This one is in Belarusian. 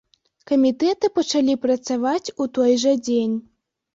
Камітэты пачалі працаваць у той жа дзень.